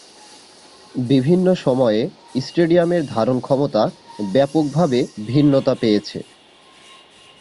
বিভিন্ন সময়ে স্টেডিয়ামের ধারণক্ষমতা ব্যাপকভাবে ভিন্নতা পেয়েছে।